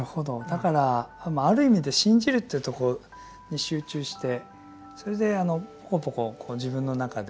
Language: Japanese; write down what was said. だからまあある意味で信じるというところに集中してそれでポコポコ自分の中でああだ